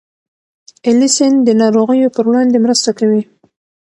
الیسین د ناروغیو پر وړاندې مرسته کوي.